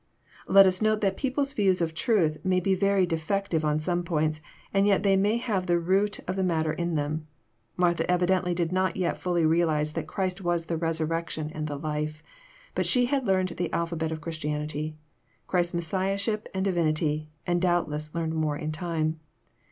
Let us note that people's views of truth may be very defec tive on some points, and yet they may have the root of the matter in them. Martha evidently did not yet fdlly realize that Christ was the resurrection and the life : but she had learned the alphabet of Christianity,— Christ's Messiahship and Divin ity, and doubtless learned more in time.